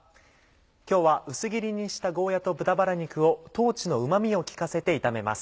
今日は薄切りにしたゴーヤと豚バラ肉を豆のうま味を利かせて炒めます。